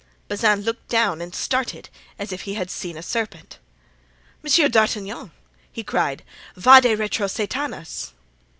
Bazin looked down and started, as if he had seen a serpent. "Monsieur d'Artagnan!" he cried; "Vade retro Satanas!"